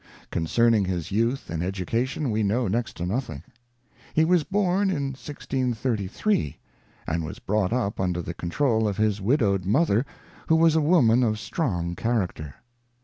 Con cerning his youth and education we know next to nothing. He was born in 1633, and was brought up under the control of his widowed mother, who was a woman of strong character.